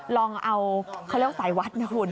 ลองเอาเขาเรียกว่าสายวัดนะคุณ